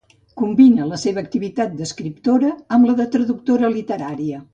Combina la seva activitat d'escriptora amb la de traductora literària.